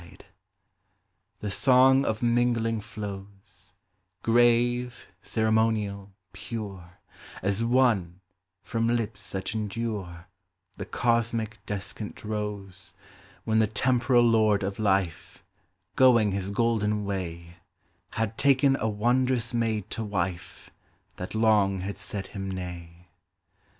47 ODES AND LYRICS The Song of Mingling flows, Grave, ceremonial, pure, As once, from lips that endure, The cosmic descant rose, When the temporal lord of life, Going his golden way, Had taken a wondrous maid to wife That long had said him nay.